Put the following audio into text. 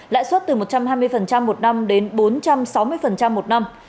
lãi suất từ một trăm hai mươi một năm đến bốn trăm sáu mươi một năm